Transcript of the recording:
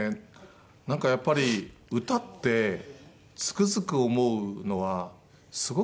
なんかやっぱり歌ってつくづく思うのはすごく力があって。